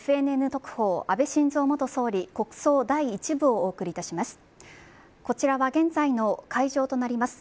ＦＮＮ特報、安倍晋三元総理国葬第１部をお送りいたします。